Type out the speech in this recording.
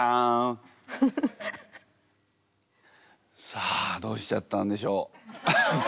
さあどうしちゃったんでしょう。